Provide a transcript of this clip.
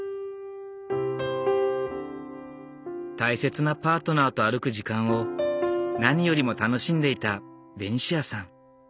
大切なパートナーと歩く時間を何よりも楽しんでいたベニシアさん。